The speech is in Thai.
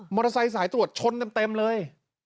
เตอร์ไซค์สายตรวจชนเต็มเลย